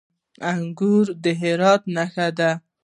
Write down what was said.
انګور د هرات نښه ده.